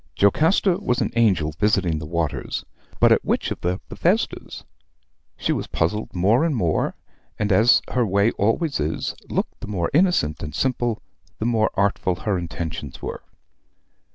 "Jocasta was an angel visiting the waters; but at which of the Bethesdas? She was puzzled more and more; and, as her way always is, looked the more innocent and simple, the more artful her intentions were.